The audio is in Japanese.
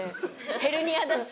ヘルニアだし。